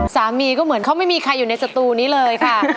สามีก็เหมือนเขาไม่มีใครอยู่ในสตูนี้เลยค่ะ